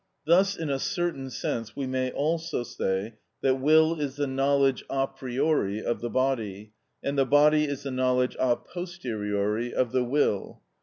Thus in a certain sense we may also say that will is the knowledge a priori of the body, and the body is the knowledge a posteriori of the will.